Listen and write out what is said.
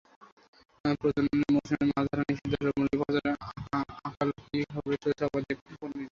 প্রজননের মৌসুমে মাছ ধরা নিষিদ্ধ হলেও মৌলভীবাজারের হাকালুকি হাওরে চলছে অবাধে পোনা নিধন।